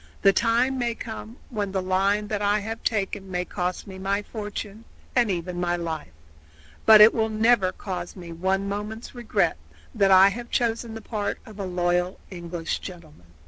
"The time may come when the line that I have taken may cost me my fortune, and even my life, but it will never cause me one moment's regret that I have chosen the part of a loyal English gentleman."